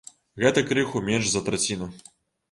Гэта крыху менш за траціну!